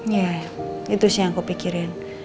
iya itu sih yang aku pikirin